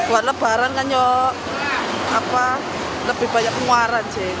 walaupun barang kan yuk apa lebih banyak pengeluaran sih